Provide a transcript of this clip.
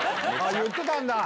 言ってたんだ？